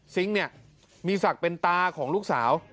ซิงค์เนี่ยมีศักดิ์เป็นตาของลูกสาว